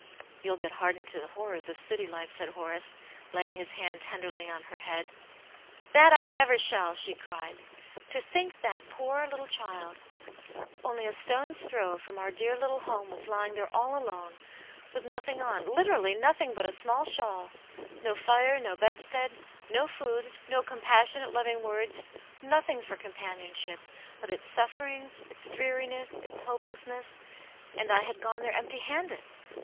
" You'll get hardened to the horrors of city life," said Horace, laying his hand tenderly on her head. " That I never shall 1" she cried. " To think that that poor little child, only a stone's throw from our dear little home, was lying iVv^xci ^\V ^^^'cv^^ ^s^ 122 Atmt Janets Hero. nothing on, literally nothing but a small shawl ; no fire, no bedstead, no food, no compassionate, loving words, nothing for companionship, but its sufferings, its dreariness, its hopelessness! And I had gone there empty handed